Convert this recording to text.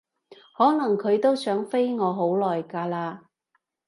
可能佢都想飛我好耐㗎喇